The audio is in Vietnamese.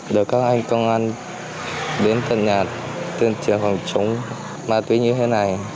để các anh công an đến thân nhà tuyên truyền phòng chống ma túy như thế này